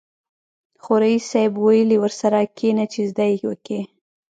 خو ريس صيب ويلې ورسره کېنه چې زده يې کې.